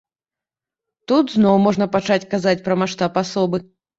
Тут зноў можна пачаць казаць пра маштаб асобы.